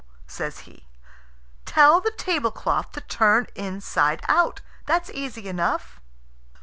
says he. "Tell the tablecloth to turn inside out. That's easy enough."